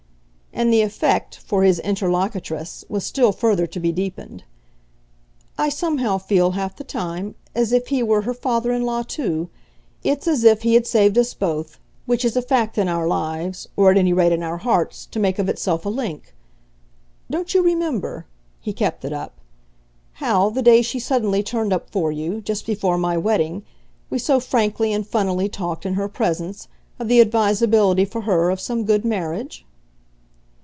And the effect, for his interlocutress, was still further to be deepened. "I somehow feel, half the time, as if he were her father in law too. It's as if he had saved us both which is a fact in our lives, or at any rate in our hearts, to make of itself a link. Don't you remember" he kept it up "how, the day she suddenly turned up for you, just before my wedding, we so frankly and funnily talked, in her presence, of the advisability, for her, of some good marriage?"